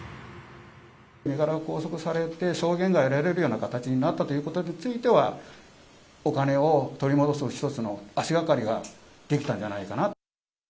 身柄が拘束されて、証言が得られるような形になったということについては、お金を取り戻す一つの足がかりが出来たんじゃないかな。